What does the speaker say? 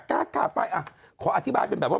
๊าซค่าไฟอ่ะขออธิบายเป็นแบบว่า